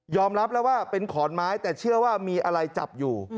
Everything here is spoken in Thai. รับแล้วว่าเป็นขอนไม้แต่เชื่อว่ามีอะไรจับอยู่